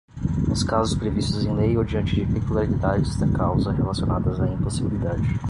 Nos casos previstos em lei ou diante de peculiaridades da causa relacionadas à impossibilidade